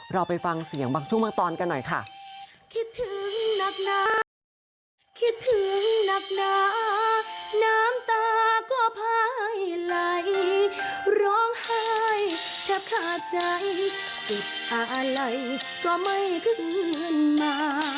เราไปฟังเสียงบางช่วงบางตอนกันหน่อยค่ะ